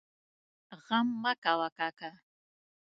غم مه کوه کاکا!